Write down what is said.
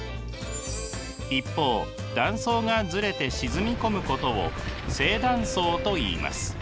一方断層がずれて沈み込むことを正断層といいます。